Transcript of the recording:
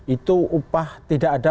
itu upah tidak ada